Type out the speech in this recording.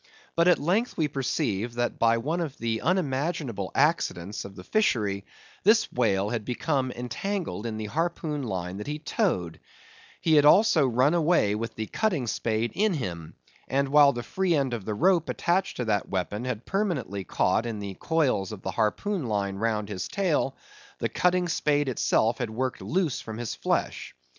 But at length we perceived that by one of the unimaginable accidents of the fishery, this whale had become entangled in the harpoon line that he towed; he had also run away with the cutting spade in him; and while the free end of the rope attached to that weapon, had permanently caught in the coils of the harpoon line round his tail, the cutting spade itself had worked loose from his flesh.